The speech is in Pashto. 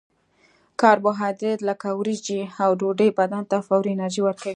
کاربوهایدریت لکه وریجې او ډوډۍ بدن ته فوري انرژي ورکوي